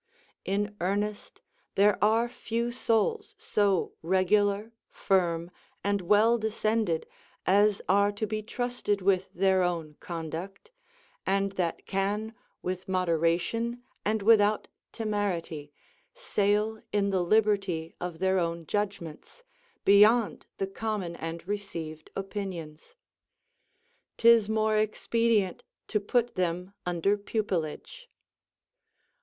In earnest, there are few souls so regular, firm, and well descended, as are to be trusted with their own conduct, and that can with moderation, and without temerity, sail in the liberty of their own judgments, beyond the common and received opinions; *tis more expedient to put them under pupilage.